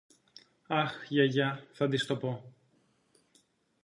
Αχ, Γιαγιά, θα της το πω!